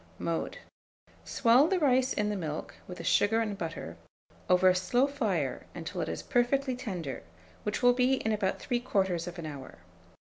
Mode. Swell the rice in the milk, with the sugar and butter, over a slow fire until it is perfectly tender, which will be in about 3/4 hour.